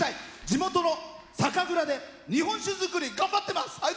地元の酒蔵で日本酒造り頑張っています。